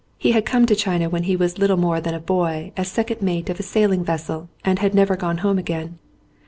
He had come to China when he was little more than a boy as second mate of a sailing vessel and had never gone home again.